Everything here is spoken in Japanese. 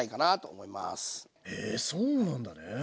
へえそうなんだね。